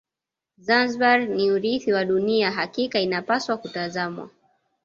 zanzibar ni urithi wa dunia hakika inapaswa kutunzwa